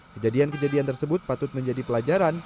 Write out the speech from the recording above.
kejadian kejadian tersebut patut menjadi pelajaran